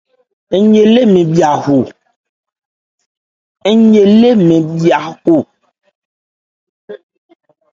Ń ye lé mɛ́n bhya ho.